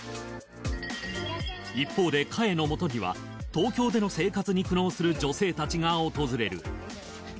一方でかえのもとには東京での生活に苦悩する女性たちが訪れる。